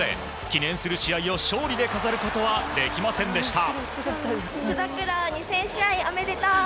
記念する試合を勝利で飾ることはできませんでした。